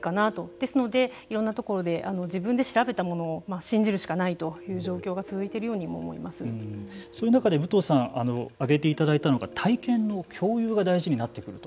ですので、いろんなところで自分で調べたものを信じるしかないという状況がそういう中で武藤さん挙げていただいたのが体験の共有が大事になってくると。